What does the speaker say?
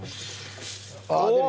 ああ！